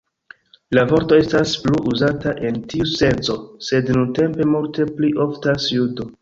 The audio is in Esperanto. La vorto estas plu uzata en tiu senco, sed nuntempe multe pli oftas "judo".